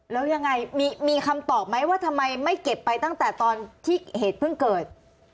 แล้วยังไงมีคำตอบไหมว่าทำไมไม่เก็บไปตั้งแต่ตอนที่เหตุเพิ่งเกิด